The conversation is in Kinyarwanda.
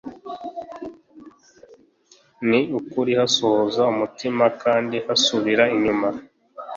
Ni ukuri hasuhuza umutima, Kandi hasubira inyuma.